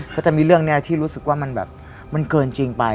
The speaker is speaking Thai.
คือมันแบบ